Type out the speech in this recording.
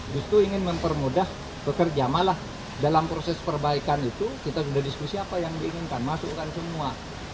justru ingin mempermudah pekerja malah dalam proses perbaikan itu kita sudah diskusi apa yang diinginkan masukkan semua